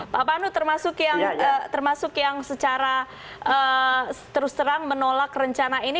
pak panut termasuk yang secara terus terang menolak rencana ini